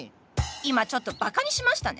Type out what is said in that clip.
今ちょっとバカにしましたね！